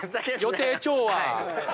予定調和。